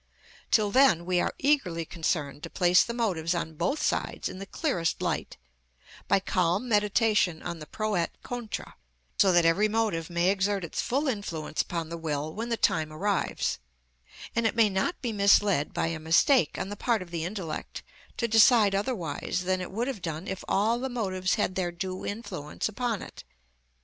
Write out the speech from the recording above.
Till then we are eagerly concerned to place the motives on both sides in the clearest light, by calm meditation on the pro et contra, so that every motive may exert its full influence upon the will when the time arrives, and it may not be misled by a mistake on the part of the intellect to decide otherwise than it would have done if all the motives had their due influence upon it.